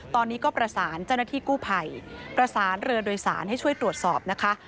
ตอนนี้ก็ประสานเจ้าหน้าที่กู้ภัยประสานเรือโดยสารให้ช่วยตรวจสอบนะคะ